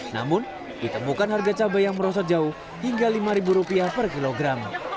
namun ditemukan harga cabai yang merosot jauh hingga rp lima per kilogram